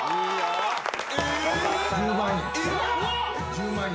１０万円。